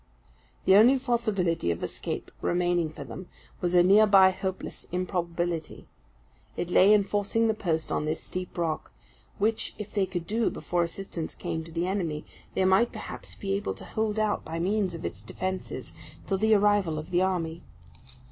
The only possibility of escape remaining for them was a nearly hopeless improbability. It lay in forcing the post on this steep rock; which if they could do before assistance came to the enemy, they might, perhaps, be able to hold out, by means of its defences, till the arrival of the army.